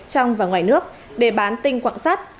trong và ngoài nước để bán tinh quảng sát